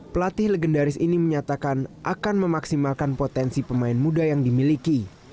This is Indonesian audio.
pelatih legendaris ini menyatakan akan memaksimalkan potensi pemain muda yang dimiliki